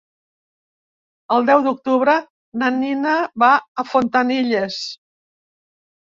El nou d'octubre na Nina va a Fontanilles.